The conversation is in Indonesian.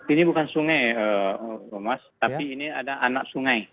ini bukan sungai mas tapi ini ada anak sungai